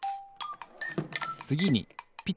つぎに「ピ」「タ」